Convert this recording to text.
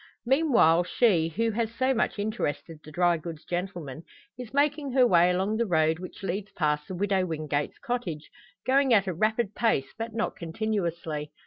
Meanwhile, she, who has so much interested the dry goods gentlemen, is making her way along the road which leads past the Widow Wingate's cottage, going at a rapid pace, but not continuously.